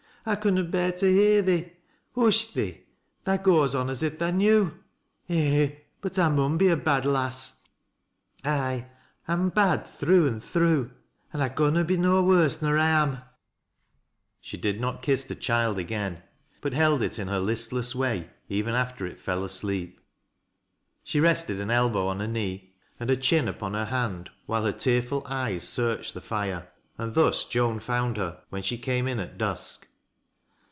"I conna bear to hear thee Hush, thee ! tha goes on a? if tha knew. Eh ! but I muo be a bad lass. Ay, I'm bad through an' through, an' J corna be no worse nor I am." 9 194 IHAT LASS y LOWRSSrS. She did not kiss the child again, but held it in hoi listlew! way even after it fell asleep. She rested an elbow on her knee and her chin upon her hand while her tearful eyes searched the fire, and thus Joan found hei when she camp m at dusk.